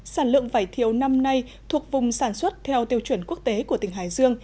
sản lượng vải thiều năm nay thuộc vùng sản xuất theo tiêu chuẩn quốc tế của tỉnh hải dương